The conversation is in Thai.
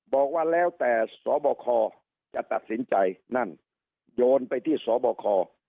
บอกว่าแล้วแต่สบคจะตัดสินใจนั่นโยนไปที่สบค